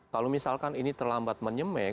kalau misalkan ini terlambat menyemen